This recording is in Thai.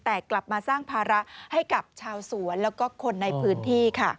แต่กลับมาสร้างภาระให้กับชาวสวนแล้วก็คนในพื้นที่ค่ะ